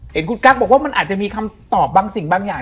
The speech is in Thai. เห็นคุณกั๊กบอกว่ามันอาจจะมีคำตอบบางสิ่งบางอย่าง